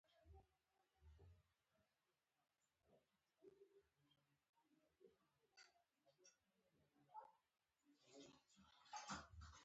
تر لغمانه پوري تلون سو